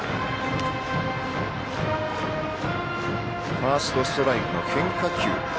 ファーストストライクの変化球。